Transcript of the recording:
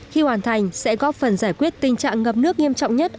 khi hoàn thành sẽ góp phần giải quyết tình trạng ngập nước nghiêm trọng nhất